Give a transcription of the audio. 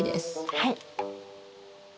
はい。